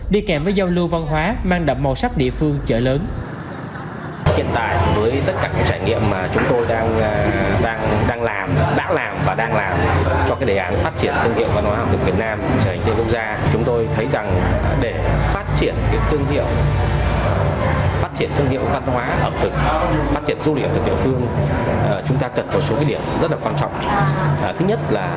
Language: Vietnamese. đi kèm với giao lưu văn hóa mang đậm màu sắc địa phương chợ lớn